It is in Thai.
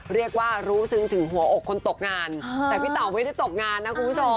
เรียกว่ารู้ซึ้งถึงหัวอกคนตกงานแต่พี่เต๋าไม่ได้ตกงานนะคุณผู้ชม